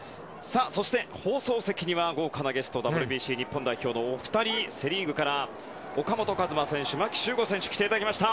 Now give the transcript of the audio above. そして放送席には豪華なゲストＷＢＣ日本代表のお二人セ・リーグから岡本和真選手牧秀悟選手に来ていただきました。